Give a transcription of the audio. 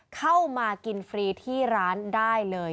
เข้ามากินฟรีที่ร้านได้เลย